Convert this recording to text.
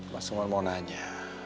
mas cuman mau nanya